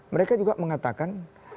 mereka juga mengatakan